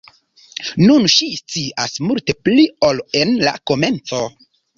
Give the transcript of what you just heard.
Nun ŝi scias multe pli ol en la komenco.